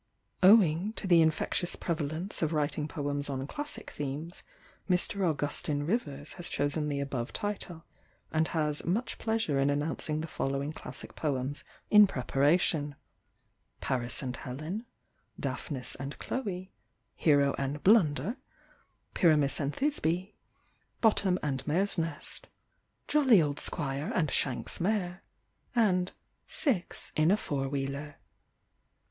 * Owing to the infectious prevalence of writing poems on classic themes, Mr. Augustine Rivers has chosen the above title, and has much pleasure in announc ing the following classic poems in prepara tion :—" Paris & Helen," " Daphnis & Chloe," " Hero & Blunder," " Pyramis & Thisbe," '^ Bottom & Mare's Nest," "Jolly Old Squire & Shanks' Mare," and " Six in a Four Wheeler."